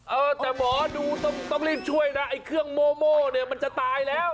เออแต่หมอดูต้องรีบช่วยนะไอ้เครื่องโม่เนี่ยมันจะตายแล้ว